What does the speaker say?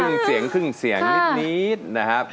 ขึ้งเสียงพึงเสียงนิดนะครับ